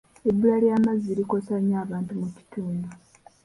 Ebbula ly'amazzi likosa nnyo abantu mu kitundu.